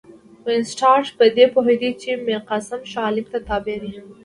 وینسیټارټ په دې پوهېدی چې میرقاسم شاه عالم ته تابع دی.